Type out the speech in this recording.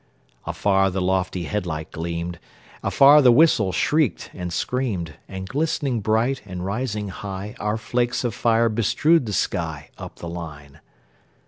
Afar the lofty head light gleamed; Afar the whistle shrieked and screamed; And glistening bright, and rising high, Our flakes of fire bestrewed the sky, Up the line.